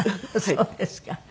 そうですか。